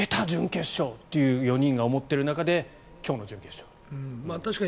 準決勝！って４人が思っている中で今日の準決勝と。